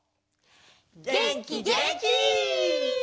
げんきげんき！